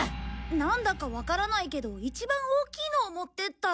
なんだかわからないけど一番大きいのを持ってった。